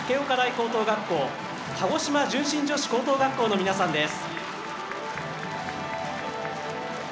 高等学校鹿児島純心女子高等学校の皆さんです。